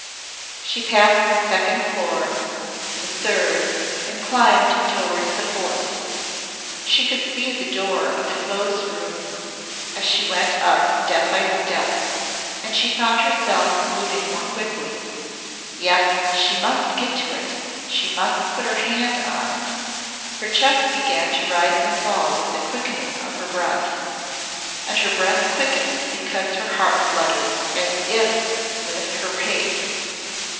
She passed the second floor, the third, and climbed towards the fourth. She could see the door of the Closed Room as she went up step by step, and she found herself moving more quickly. Yes, she must get to it she must put her hand on it her chest began to rise and fall with a quickening of her breath, and her breath quickened because her heart fluttered as if with her haste.